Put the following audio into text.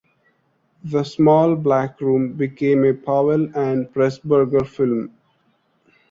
"The Small Back Room" became a Powell and Pressburger film.